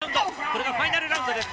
第３ラウンド、これがファイナルラウンドです。